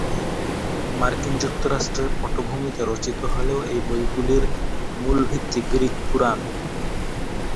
মার্কিন যুক্তরাষ্ট্রের পটভূমিতে রচিত হলেও এই বইগুলির মূল ভিত্তি গ্রিক পুরাণ।